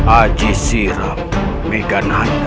aji siram meghananda